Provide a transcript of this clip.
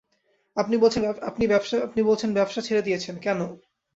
আপনি বলছেন ব্যবসা ছেড়ে দিয়েছেন, কেন?